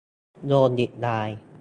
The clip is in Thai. โดนอีกราย !